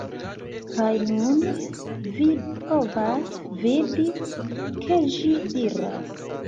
Kaj nun, vi povas vidi, ke ĝi diras